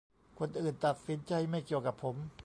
คนอื่นตัดสินใจ ไม่เกี่ยวกับผม